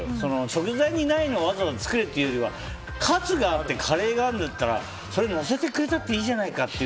食材にないのをわざわざ作れっていうよりはカツがあってカレーがあるんだったらそれをのせてくれたっていいじゃないかって。